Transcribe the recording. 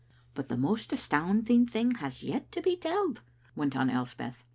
"" But the most astounding thing has yet to be telled," went on Elspeth.